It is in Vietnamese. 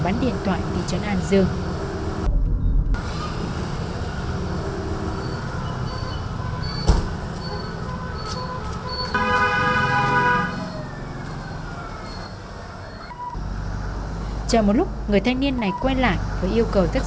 xác định tuấn mua chiếc